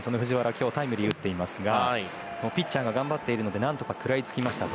今日タイムリーを打っていますがピッチャーが頑張っているのでなんとか食らいつきましたと。